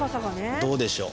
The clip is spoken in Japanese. どうでしょう。